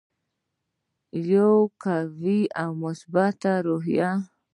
یوه قوي او مثبته روحیه.